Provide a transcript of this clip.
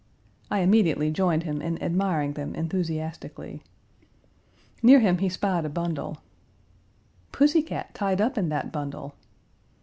I immediately joined him in admiring them enthusiastically. Near him he spied a bundle. "Pussy cat tied up in that bundle."